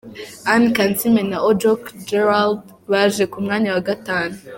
Anne Kansiime na Ojok Gerald baje ku mwanya wa gatanu.